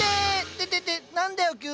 ててて何だよ急に！